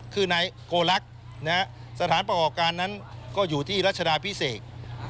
คือนายโกลักษณ์สถานประกอบการนั้นก็อยู่ที่รัชดาพิเศษ